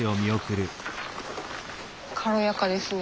軽やかですね。